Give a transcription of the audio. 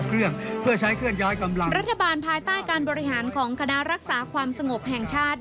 รัฐบาลภายใต้การบริหารของคณะรักษาความสงบแห่งชาติ